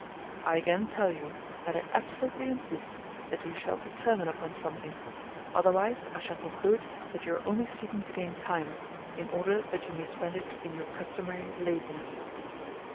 I again tell you that I absolutely insist that you shall determine upon something, otherwise I shall conclude that you are only seeking to gain time in order that you may spend it in your customary laziness.